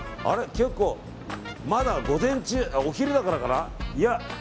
結構、まだ午前中お昼だからかな。